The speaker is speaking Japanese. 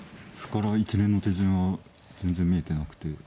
歩から一連の手順は全然見えてなくて。